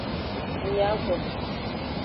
Mi yi agbo.